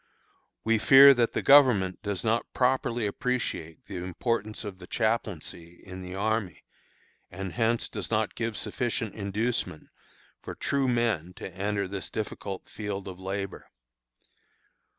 We fear that the Government does not properly appreciate the importance of the chaplaincy in the army, and hence does not give sufficient inducement for true men to enter this difficult field of labor.